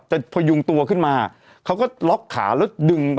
พยุงตัวขึ้นมาเขาก็ล็อกขาแล้วดึง